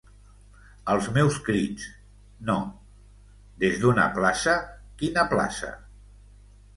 Els meus crits... no, des d'una plaça... quina plaça?